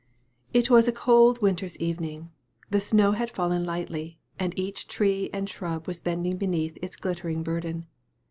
It was a cold winter's evening. The snow had fallen lightly, and each tree and shrub was bending beneath its glittering burden.